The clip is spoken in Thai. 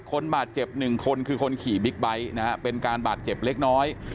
คนบาดเจ็บหนึ่งคนคือคนขี่บิ๊กไบท์นะฮะเป็นการบาดเจ็บเล็กน้อย